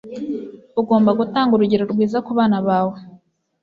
Ugomba gutanga urugero rwiza kubana bawe